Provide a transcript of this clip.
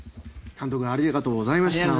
監督ありがとうございました。